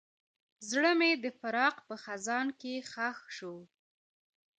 زړه مې د فراق په خزان کې ښخ شو.